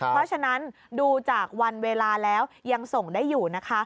เพราะฉะนั้นดูจากวันเวลาแล้วยังส่งได้อยู่นะคะ